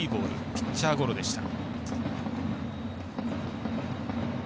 ピッチャーゴロでした。